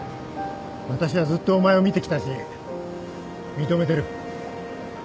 私はずっとお前を見てきたし認めてる。